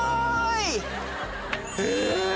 え！